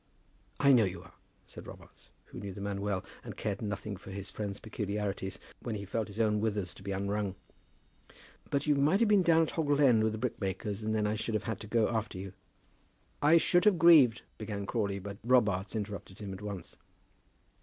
"I know you are," said Robarts, who knew the man well, and cared nothing for his friend's peculiarities when he felt his own withers to be unwrung. "But you might have been down at Hoggle End with the brickmakers, and then I should have had to go after you." "I should have grieved ," began Crawley; but Robarts interrupted him at once.